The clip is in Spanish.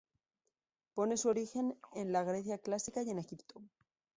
Pone su origen en la Grecia clásica y en Egipto.